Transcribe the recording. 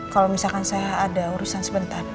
kalau misalkan saya ada urusan sebentar